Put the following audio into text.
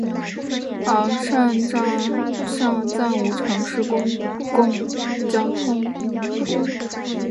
昂尚站暂无城市公共交通服务。